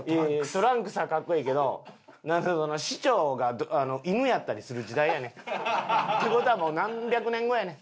トランクスは格好いいけど市長が犬やったりする時代やねん。って事はもう何百年後やねん。